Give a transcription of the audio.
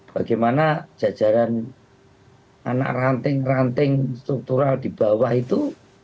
bagaimana jajaran anak ranting ranting struktural di bawah itu